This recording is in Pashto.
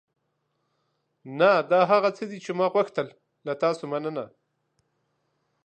نه، دا هغه څه دي چې ما غوښتل. له تاسو مننه.